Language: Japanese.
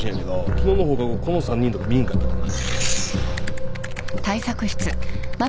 昨日の放課後この３人とか見ぃひんかったかな？